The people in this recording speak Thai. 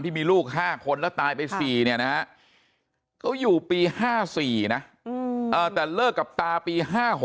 ที่มีลูก๕คนแล้วตายไป๔เนี่ยนะฮะเขาอยู่ปี๕๔นะแต่เลิกกับตาปี๕๖